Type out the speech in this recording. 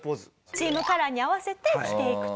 チームカラーに合わせて着ていくと。